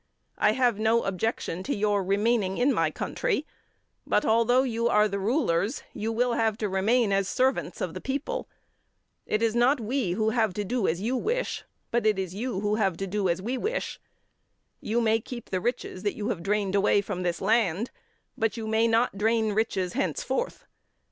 I have no objection to your remaining in my country, but although you are the rulers, you will have to remain as servants of the people. It is not we who have to do as you wish, but it is you who have to do as we wish. You may keep the riches that you have drained away from this land, but you may not drain riches henceforth.